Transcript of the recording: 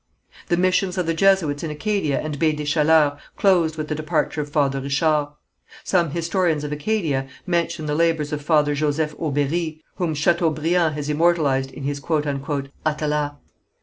The missions of the Jesuits in Acadia and Baie des Chaleurs closed with the departure of Father Richard. Some historians of Acadia mention the labours of Father Joseph Aubéri, whom Chateaubriand has immortalized in his "Atala."